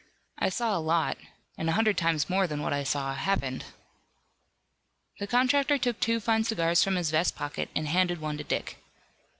"I saw a lot, and a hundred times more than what I saw happened." The contractor took two fine cigars from his vest pocket and handed one to Dick.